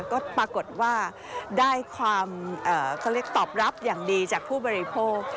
ก็ปรากฏว่าได้ความเขาเรียกตอบรับอย่างดีจากผู้บริโภค